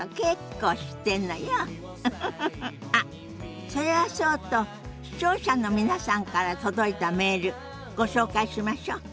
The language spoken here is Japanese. あっそれはそうと視聴者の皆さんから届いたメールご紹介しましょ。